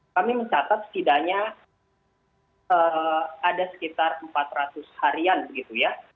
kami mencatat setidaknya ada sekitar empat ratus harian begitu ya